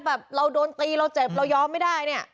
แบบเราโดนตีเราเจ็บเรายอมไม่ได้เนี่ย